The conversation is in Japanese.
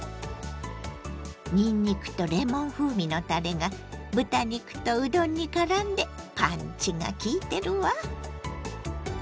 にんにくとレモン風味のたれが豚肉とうどんにからんでパンチがきいてるわ！